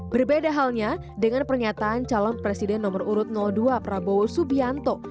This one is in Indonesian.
berbeda halnya dengan pernyataan calon presiden nomor urut dua prabowo subianto